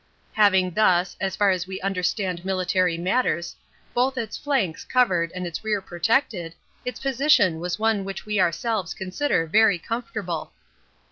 Having thus as far as we understand military matters both its flanks covered and its rear protected, its position was one which we ourselves consider very comfortable.